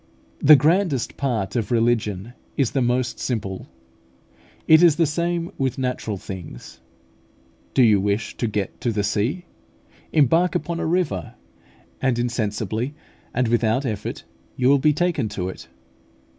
The grandest part of religion is the most simple. It is the same with natural things. Do you wish to get to the sea? Embark upon a river, and insensibly and without effort you will be taken to it.